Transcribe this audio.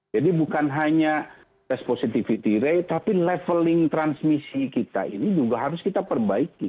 jadi bukan hanya test positivity rate tapi leveling transmisi kita ini juga harus kita perbaiki